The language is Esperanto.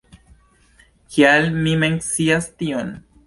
Kial mi mencias tion?